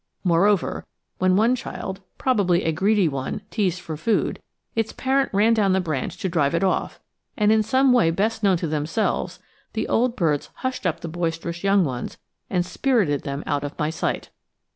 Moreover, when one child, probably a greedy one, teased for food, its parent ran down the branch to drive it off; and in some way best known to themselves the old birds hushed up the boisterous young ones and spirited them out of my sight.